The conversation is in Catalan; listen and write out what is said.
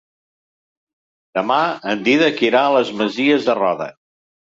Demà en Dídac irà a les Masies de Roda.